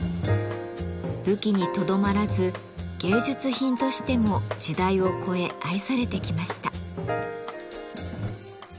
武器にとどまらず芸術品としても時代を越え愛されてきました。